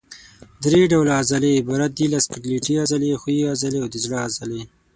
درې ډوله عضلې عبارت دي له سکلیټي عضلې، ښویې عضلې او د زړه عضله.